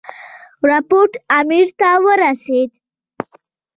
رپوټ امیر ته ورسېد.